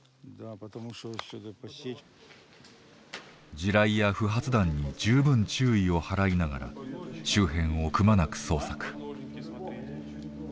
地雷や不発弾に十分注意を払いながら周辺をくまなく捜索。